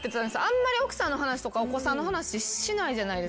あんまり奥さんの話とかお子さんの話しないじゃないですか。